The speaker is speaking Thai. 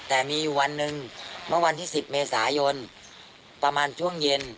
แต่มีอยู่วันหนึ่งเมื่อวันที่๑๐เมษายนประมาณช่วงเย็น